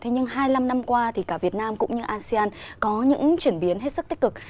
nhưng hai mươi năm năm qua thì cả việt nam cũng như asean có những chuyển biến hết sức tích cực